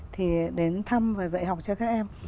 thì đến thăm và dạy học cho các em